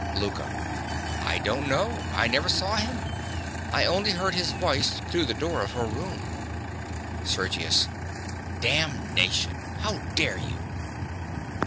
LOUKA. I don't know. I never saw him. I only heard his voice through the door of her room. SERGIUS. Damnation! How dare you?